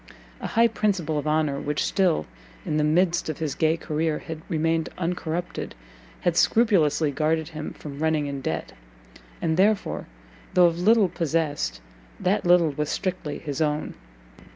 A high principle of honour which still, in the midst of his gay career, had remained uncorrupted, had scrupulously guarded him from running in debt, and therefore, though of little possessed, that little was strictly his own.